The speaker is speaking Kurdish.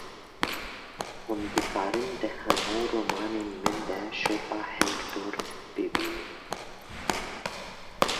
Hûn dikarin di hemû romanên min de şopa Hektor bibînin.